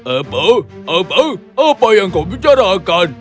apa apa apa yang kau bicarakan